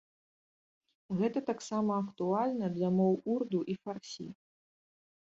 Гэта таксама актуальна для моў урду і фарсі.